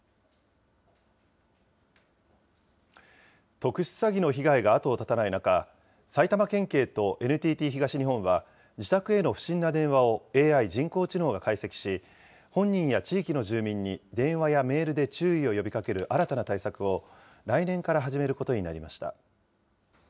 特殊詐欺の被害が後を絶たない中、埼玉県警とＮＴＴ東日本は、自宅への不審な電話をＡＩ・人工知能が解析し、本人や地域の住民に電話やメールで注意を呼びかける新たな対策を来年から始めることになりました。